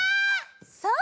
そう！